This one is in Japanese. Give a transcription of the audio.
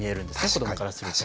子どもからすると。